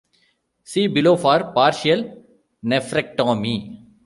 See below for partial nephrectomy.